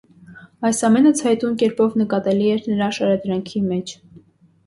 Այս ամենը ցայտուն կերպով նկատելի են նրա շարադրանքի մեջ։